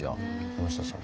山下さん